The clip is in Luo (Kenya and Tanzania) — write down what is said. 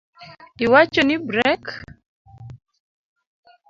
Iwacho ni brek?